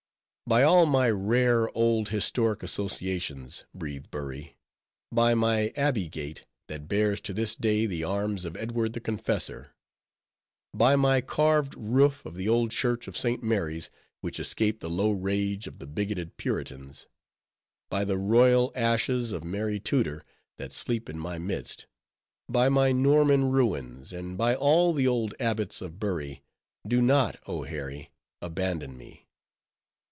By all my rare old historic associations, breathed Bury; by my Abbey gate, that bears to this day the arms of Edward the Confessor; by my carved roof of the old church of St. Mary's, which escaped the low rage of the bigoted Puritans; by the royal ashes of Mary Tudor, that sleep in my midst; by my Norman ruins, and by all the old abbots of Bury, do not, oh Harry! abandon me.